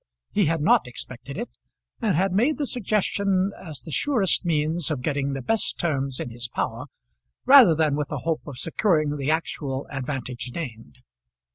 He had not expected it, and had made the suggestion as the surest means of getting the best terms in his power, rather than with a hope of securing the actual advantage named.